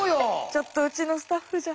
ちょっとうちのスタッフじゃ。